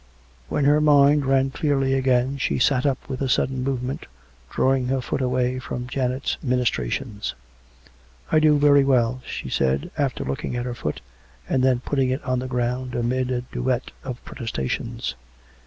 When her mind ran clearly again, she sat up with a sudden movement, drawing her foot away from Janet's ministrations. " I do very well," she said, after looking at her foot, and then putting it to the ground amid a duet of protesta tions.